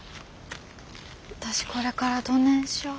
私これからどねんしょう。